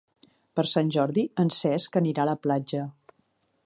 Per Sant Jordi en Cesc anirà a la platja.